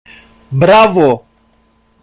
Μπράβο!